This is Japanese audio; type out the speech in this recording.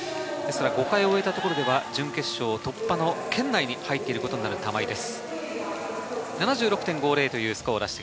５回を終えたところでは準決勝突破圏内に入っている玉井です。